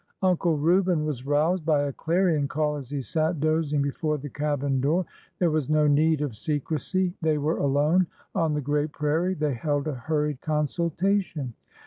Uncle Reuben was roused by a clarion call as he sat dozing before the cabin door. There was no need of se crecy. They were alone on the great prairie. They held a hurried consultation.